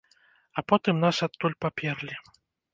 А потым нас адтуль паперлі.